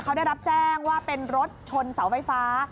เขาได้รับแจ้งว่าเป็นรถชนเสาไฟฟ้า